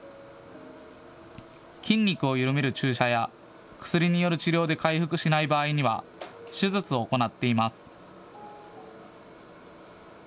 筋肉を緩める注射や薬による治療で回復しない場合には手術を行っています。